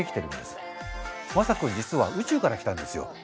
まさ君実は宇宙から来たんですよ。